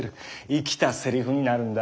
生きたセリフになるんだ。